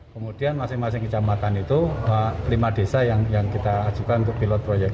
kemudian masing masing kecamatan itu lima desa yang kita ajukan untuk pilot proyek